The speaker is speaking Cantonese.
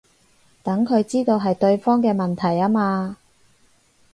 等佢知道係對方嘅問題吖嘛